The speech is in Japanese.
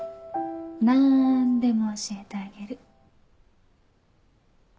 なんでも教えてあげる。